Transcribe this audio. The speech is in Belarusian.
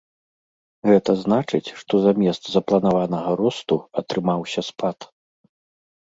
Гэта значыць, што замест запланаванага росту атрымаўся спад.